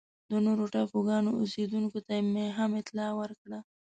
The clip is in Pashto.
د نورو ټاپوګانو اوسېدونکو ته یې هم اطلاع ورکړه.